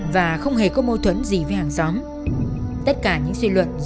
và không hề có nạn nhân